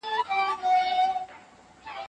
ولې ملي سوداګر کیمیاوي سره له پاکستان څخه واردوي؟